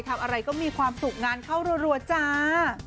ทำอะไรก็มีความสุขงานเข้ารัวจ้า